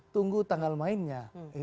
tunggu tanggal mainnya